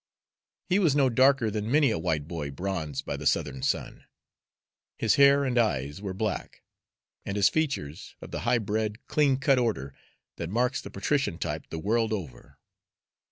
He was no darker than many a white boy bronzed by the Southern sun; his hair and eyes were black, and his features of the high bred, clean cut order that marks the patrician type the world over.